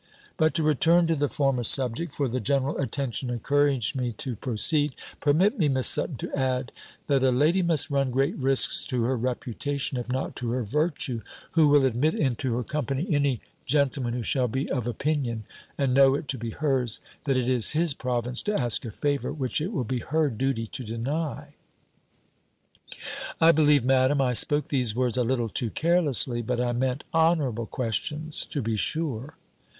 "But to return to the former subject" (for the general attention encouraged me to proceed), "permit me, Miss Sutton, to add, that a lady must run great risks to her reputation, if not to her virtue, who will admit into her company any gentleman who shall be of opinion, and know it to be hers, that it is his province to ask a favour, which it will be her duty to deny." "I believe, Madam, I spoke these words a little too carelessly; but I meant honourable questions, to be sure."